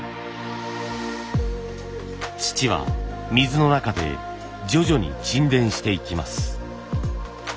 土は水の中で徐々に沈殿していきます。